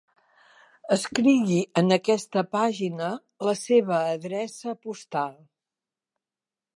Escrigui en aquesta pàgina la seva adreça postal.